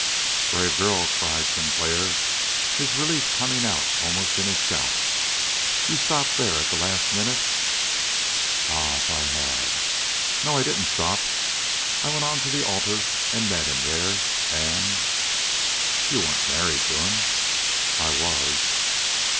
"Brave girl!" cried Sinclair, his relief coming out in almost a shout. "You stopped there at the last minute?" "Ah, if I had! No, I didn't stop. I went on to the altar and met him there, and " "You weren't married to him?" "I was!"